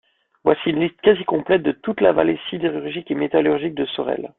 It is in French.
Voici une liste quasi complète de toute la Vallée Sidérurgique et Métallurgique de Sorel.